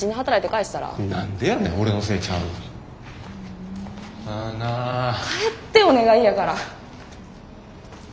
帰ってお願いやから。